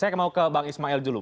saya mau ke bang ismail dulu